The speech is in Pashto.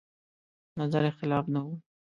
نظر اختلاف نه و.